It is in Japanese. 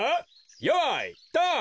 よいドン！